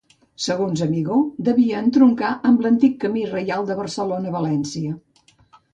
Segons Amigó, devia entroncar amb l'antic camí reial de Barcelona a València.